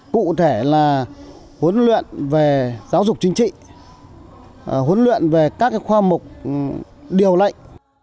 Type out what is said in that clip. cụ thể là huấn luyện về giáo dục chính trị huấn luyện về các khoa mục điều lệnh